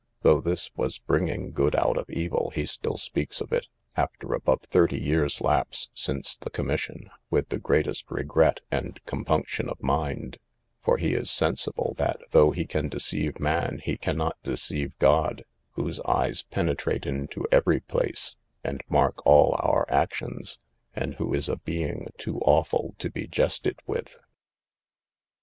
Though this was bringing good out of evil, he still speaks of it (after above thirty years lapse since the commission) with the greatest regret and compunction of mind; for he is sensible, that though he can deceive man, he cannot deceive God, whose eyes penetrate into every place, and mark all our actions, and who is a Being too awful to be jested with.